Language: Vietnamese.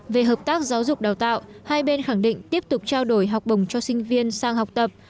về hợp tác giáo dục đào tạo hai bên khẳng định tiếp tục trao đổi học bổng cho sinh viên sang học tập